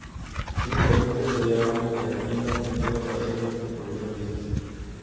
Químicamente sería una queratina obtenida parcialmente por hidrólisis.